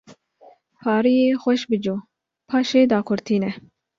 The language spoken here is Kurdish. pariyê xweş bicû paşê daqurtîne